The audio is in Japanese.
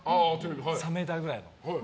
３ｍくらいの。